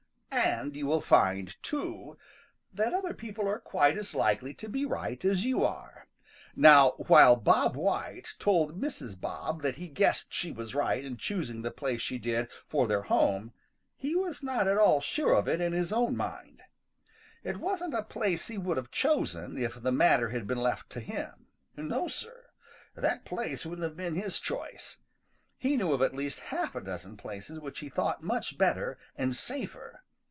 = |AND you will find, too, that other people are quite as likely to be right as you are. Now while Bob White told Mrs. Bob that he guessed she was right in choosing the place she did for their home he was not at all sure of it in his own mind. It wasn't a place he would have chosen if the matter had been left to him. No, Sir, that place wouldn't have been his choice. He knew of at least half a dozen places which he thought much better and safer.